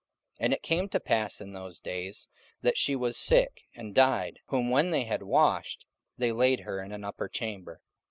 44:009:037 And it came to pass in those days, that she was sick, and died: whom when they had washed, they laid her in an upper chamber.